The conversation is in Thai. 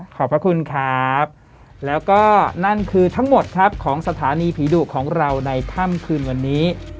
ขอบพระคุณครับแล้วก็นั่นคือทั้งหมดครับของสถานีผีดุของเราในค่ำคืนวันนี้